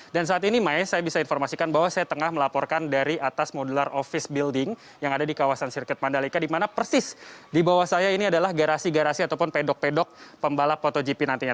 dan saat ini saya bisa informasikan bahwa saya tengah melaporkan dari atas modular office building yang ada di kawasan sirkuit mandalika di mana persis di bawah saya ini adalah garasi garasi ataupun pedok pedok pembalap motogp nantinya